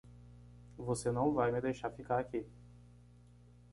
Você não vai me deixar ficar aqui.